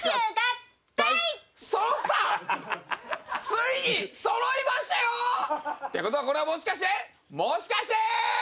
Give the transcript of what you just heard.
ついにそろいましたよ！って事はこれはもしかしてもしかして！？